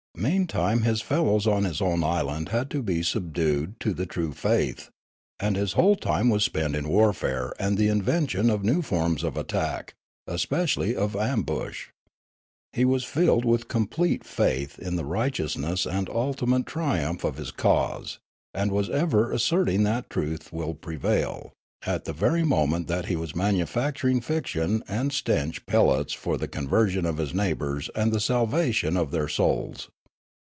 Meantime his fellows on his own island had to be subdued to the true faith ; and his whole time was spent in warfare and the invention of new forms of attack, especially of ambush. He was filled with complete faith in the righteousness and ultim ate triumph of his cause, and was ever asserting that truth will prevail, at the very moment that he was manufacturing fiction and stench pellets for the con version of his neighbours and the salvation of their souls.